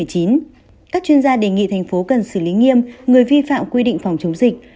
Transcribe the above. các chuyên gia đề nghị thành phố cần xử lý nghiêm người vi phạm quy định phòng chống dịch